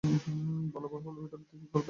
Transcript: বলা বাহুল্য ভিতরের দিকে গল্পের তাড়া ছিল না।